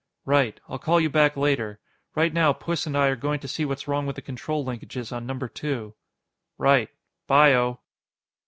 "Right. I'll call you back later. Right now, Puss and I are going to see what's wrong with the control linkages on Number Two." "Right. By o."